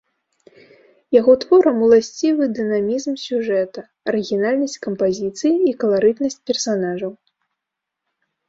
Яго творам уласцівы дынамізм сюжэта, арыгінальнасць кампазіцыі і каларытнасць персанажаў.